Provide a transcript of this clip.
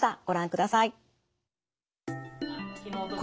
ご覧ください。